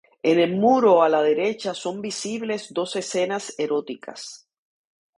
En el muro a la derecha son visibles dos escenas eróticas.